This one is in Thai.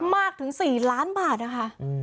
มากถึง๔ล้านบาทนะคะ